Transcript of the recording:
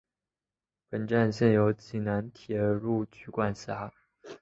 本站现由济南铁路局管辖。